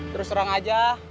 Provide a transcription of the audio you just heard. terus serang aja